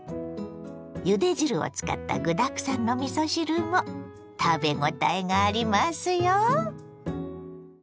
ゆで汁を使った具だくさんのみそ汁も食べごたえがありますよ。